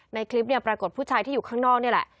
ในคลิปเนี่ยปรากฏผู้ชายที่อยู่ข้างนอกนี่แหละ